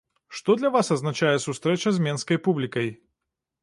Што для вас азначае сустрэча з менскай публікай?